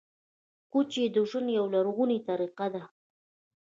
کوچي ژوند یوه لرغونې طریقه ده